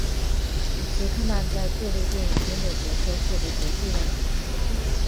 杰克曼在各类电影中的角色获得国际认可。